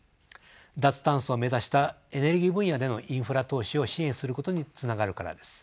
脱炭素を目指したエネルギー分野でのインフラ投資を支援することにつながるからです。